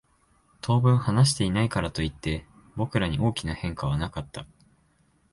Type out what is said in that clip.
当分話していないからといって、僕らに大きな変化はなかった。